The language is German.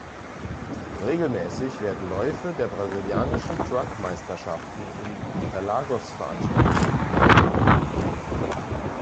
Regelmäßig werden Läufe der brasilianischen Truck-Meisterschaften in Interlagos veranstaltet.